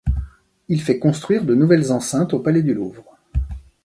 Il fait construire de nouvelles enceintes au palais du Louvre.